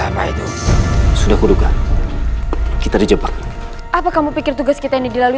siapa itu sudah keduga kita di jebak apa kamu pikir tugas kita ini dilalui